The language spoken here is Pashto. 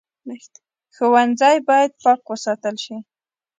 ښوونځی باید پاک وساتل شي